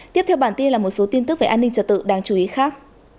tiếp theo bản tin là một số tin tức về an ninh trật tự đáng chú ý khác